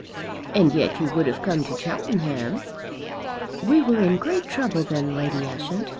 "And yet you would have come to Cheltenham." "We were in great trouble then, Lady Ushant.